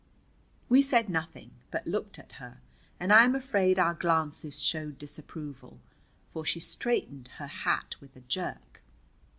We said nothing, but looked at her, and I am afraid our glances showed disapproval, for she straightened her hat with a jerk.